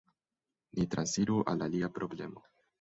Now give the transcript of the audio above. Ni transiru al alia problemo.